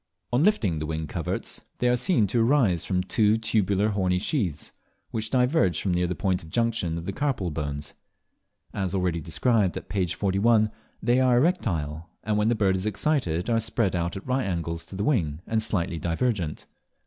On lifting the wing coverts they are seen to arise from two tubular horny sheaths, which diverge from near the point of junction of the carpal bones. As already described at p. 41, they are erectile, and when the bird is excited are spread out at right angles to the wing and slightly divergent.